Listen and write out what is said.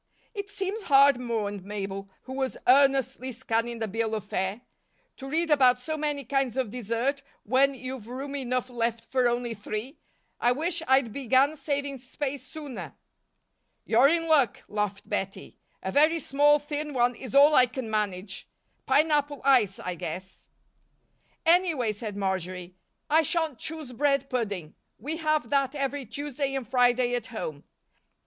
"It seems hard," mourned Mabel, who was earnestly scanning the bill of fare, "to read about so many kinds of dessert when you've room enough left for only three. I wish I'd began saving space sooner." "You're in luck," laughed Bettie. "A very small, thin one is all I can manage pineapple ice, I guess." "Anyway," said Marjory, "I shan't choose bread pudding. We have that every Tuesday and Friday at home.